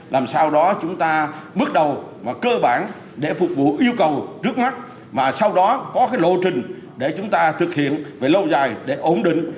làm sao đó chúng ta bước đầu mà cơ bản để phục vụ yêu cầu trước mắt mà sau đó có cái lộ trình để chúng ta thực hiện về lâu dài để ổn định